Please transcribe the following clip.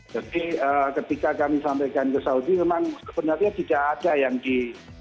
jadi ketika kami sampaikan ke saudi memang sebenarnya tidak ada yang di